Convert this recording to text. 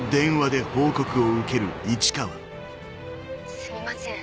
すみません。